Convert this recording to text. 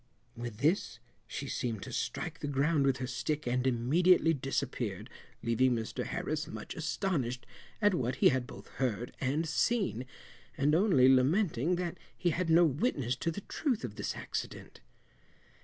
With this she seemed to strike the ground with her stick and immediately disappeared, leaving Mr Harris much astonished at what he had both heard and seen, and only lamenting that he had no witness to the truth of this accident.